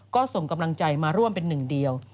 ก็ส่งกำลังใจมาร่วมเป็นหนึ่งเดียว